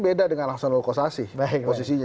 beda dengan hasanul qasasih posisinya